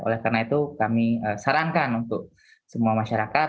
oleh karena itu kami sarankan untuk semua masyarakat